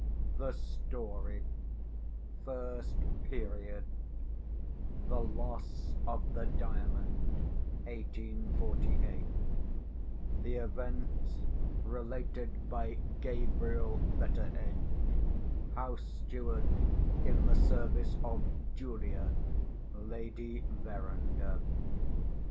THE STORY FIRST PERIOD THE LOSS OF THE DIAMOND (1848) _The Events related by Gabriel Betteredge, house steward in the service of Julia, Lady Verinder.